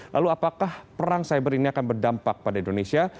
lalu apakah perang cyber ini akan berdampak pada indonesia